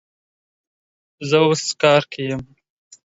زه اوس کار کی یم